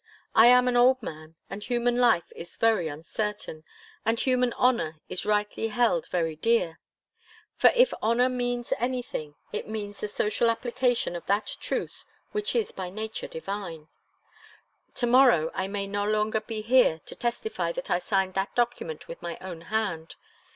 I am an old man, and human life is very uncertain, and human honour is rightly held very dear, for if honour means anything, it means the social application of that truth which is by nature divine. To morrow I may no longer be here to testify that I signed that document with my own hand.